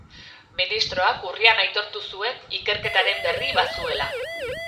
Ministroak urrian aitortu zuen ikerketaren berri bazuela.